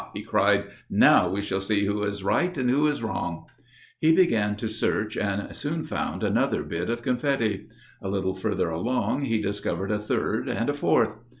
he cried, "now we shall see who is right and who is wrong!" He began to search and soon found another bit of confetti. A little further along he discovered a third and a fourth.